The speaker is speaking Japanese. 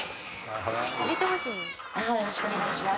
よろしくお願いします。